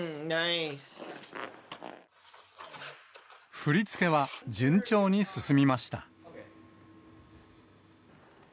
振り付けは順調に進みました。